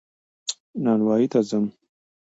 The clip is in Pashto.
نانوايي ته ځم